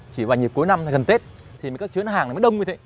chỉ vào nhịp cuối năm gần tết thì các chuyến hàng mới đông như thế